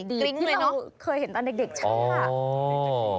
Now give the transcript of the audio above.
มีบางอย่างผมเคยเห็นตอนเด็กชื่อค่ะ